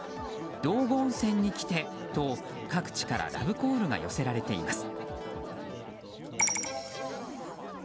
道後温泉に来て！と各地からラブコールが寄せられています。